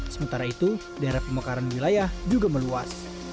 sementara itu daerah pemekaran wilayah juga meluas